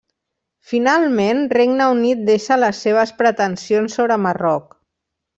Finalment Regne Unit deixa les seves pretensions sobre Marroc.